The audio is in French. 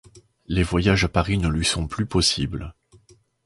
Les voyages à Paris ne lui sont plus possibles.